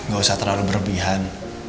gak usah terlalu berlebihan